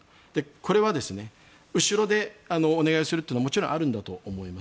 これは後ろでお願いするというのはもちろんあるんだと思います。